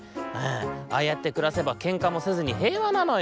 ああやってくらせばけんかもせずに平和なのよ。